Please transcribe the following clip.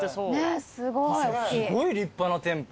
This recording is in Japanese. すごい立派な店舗。